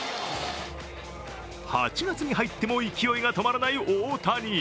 ８月に入っても勢いが止まらない大谷。